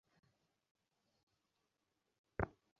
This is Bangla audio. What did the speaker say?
অনেক সাধুপুরুষের ঈশ্বরদর্শন-কাহিনী ভারতে সর্বত্র শুনিতে পাওয়া যায়।